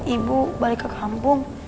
ibu balik ke kampung